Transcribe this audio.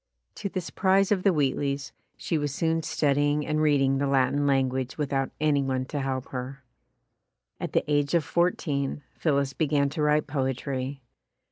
To the surprise of the Wheat leys, she was soon studying and reading the Latin language without any one to help her. At the age of fourteen, Phillis began to write poetry.